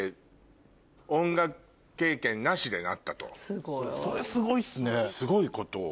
すごい！それすごいっすね。